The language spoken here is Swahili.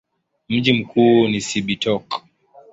Mji mkuu ni Cibitoke.